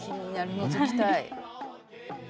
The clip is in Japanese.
のぞきたい。